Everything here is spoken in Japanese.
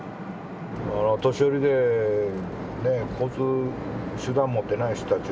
年寄りで交通手段持ってない人たち。